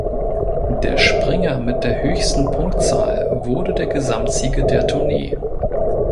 Der Springer mit der höchsten Punktzahl wurde der Gesamtsieger der Tournee.